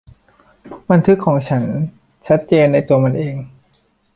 บันทึกของฉันชัดเจนในตัวมันเอง